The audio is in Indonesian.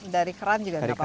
dari keran juga gak apa apa ya